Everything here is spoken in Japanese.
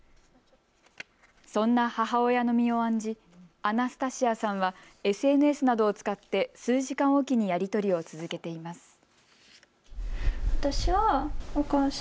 そんな母親の身を案じアナスタシアさんはＳＮＳなどを使って数時間おきにやり取りを続けています。